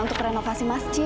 untuk renovasi masjid